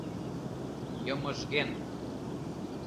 Йымыжген